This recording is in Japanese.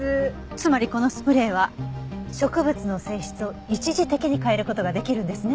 つまりこのスプレーは植物の性質を一時的に変える事ができるんですね。